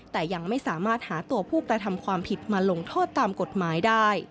แต่ยังไม่สามารถหาตัวผู้กระทำความผิดมาลงโทษตามกฎหมายได้